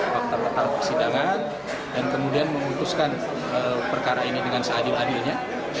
fakta fakta persidangan dan kemudian memutuskan perkara ini dengan seadil adilnya